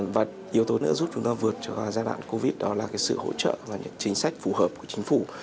và yếu tố nữa giúp chúng ta vượt cho giai đoạn covid đó là sự hỗ trợ và những chính sách phù hợp của chính phủ